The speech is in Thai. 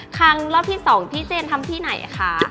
ครั้งรอบที่๒พี่เจนทำที่ไหนคะ